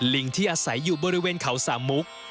ลิงที่อาศัยอยู่บริเวณเขาสามมุก